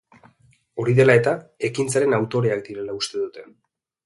Hori dela eta, ekintzaren autoreak direla uste dute.